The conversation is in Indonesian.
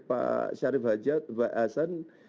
pak syarif hajat mbak ahsan